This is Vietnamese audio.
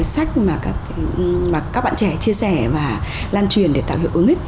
sách mà các bạn trẻ chia sẻ và lan truyền để tạo hiệu ứng